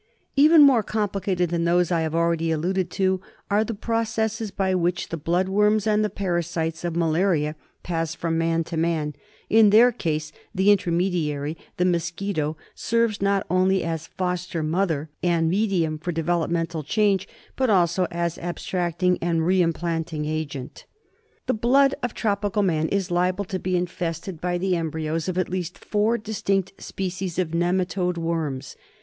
Even more complicated * than those I have already ■ alluded to are the pro cesses by which the blood. worms and the parasites of malaria pass from man to man. In theircase the in , termed iary— the mosquito — serves not only as foster mother and medium for developmental change, but also as abstracting and re implanting agent. A I. 64 FILARIASIS. / The blood of tropical man is liable to be infested by the embryos of at least four distinct species of nematode worms.